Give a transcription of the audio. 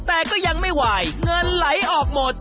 แต่ก็ยังไม่ไหวเงินไหลออกหมด